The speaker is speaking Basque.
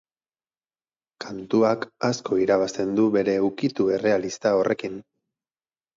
Kantuak asko irabazten du bere ukitu errealista horrekin.